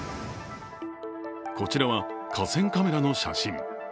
こちらは河川カメラの写真。